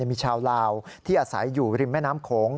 มีชาวลาวที่อาศัยอยู่ริมแม่น้ำโขง